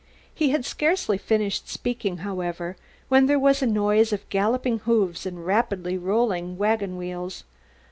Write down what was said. He had scarcely finished speaking, however, when there was a noise of galloping hoofs and rapidly rolling wagon wheels.